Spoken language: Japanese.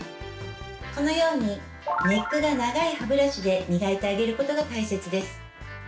このようにネックが長い歯ブラシで磨いてあげることが大切です。